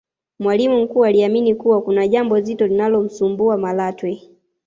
mwalimu mkuu aliamini kuwa kuna jambo zito linalomsumbua Malatwe